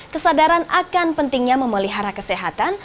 kesadaran akan pentingnya memelihara kesehatan